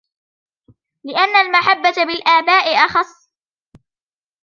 لِأَنَّ الْمَحَبَّةَ بِالْآبَاءِ أَخَصُّ